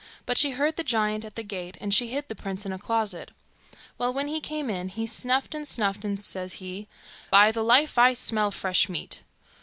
But she heard the giant at the gate, and she hid the prince in a closet. Well, when he came in, he snuffed, an' he snuffed, and says he, 'By the life, I smell fresh meat.